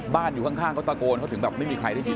อยู่ข้างเขาตะโกนเขาถึงแบบไม่มีใครได้ยิน